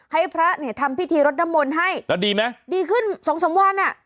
ให้พระทำพิธีรถนมลให้แล้วดีไหมดีขึ้น๒๓วัน